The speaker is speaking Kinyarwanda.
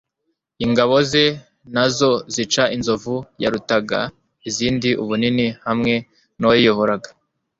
ingabo ze na zo zica inzovu yarutaga izindi ubunini hamwe n'uwayiyoboraga